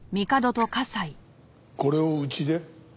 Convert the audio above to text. これをうちで？